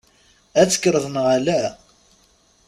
Ad tekkreḍ neɣ ala?